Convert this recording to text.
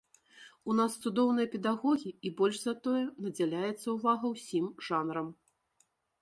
У нас цудоўныя педагогі, і, больш за тое, надзяляецца ўвага ўсім жанрам.